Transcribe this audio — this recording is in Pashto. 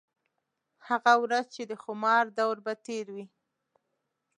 هغه ورځ چې د خومار دَور به تېر وي